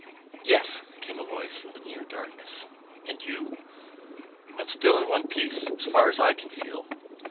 "Yes," came a voice in the near darkness. "And you?" "I'm still in one piece as far as I can feel."